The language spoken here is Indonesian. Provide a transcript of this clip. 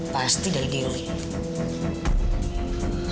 pasti dari diri